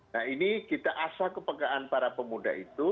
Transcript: nah ini kita asah kepekaan para pemuda itu